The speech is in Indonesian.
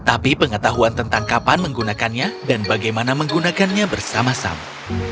tapi pengetahuan tentang kapan menggunakannya dan bagaimana menggunakannya bersama sama